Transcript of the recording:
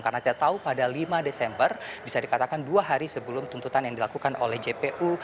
karena kita tahu pada lima desember bisa dikatakan dua hari sebelum tuntutan yang dilakukan oleh jpu